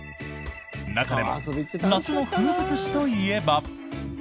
中でも夏の風物詩といえば。